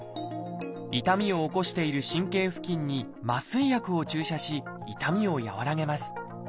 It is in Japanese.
痛みを起こしている神経付近に麻酔薬を注射し痛みを和らげます。